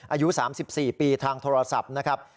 อายุ๓๔ปีทางโทรศัพท์นะครับ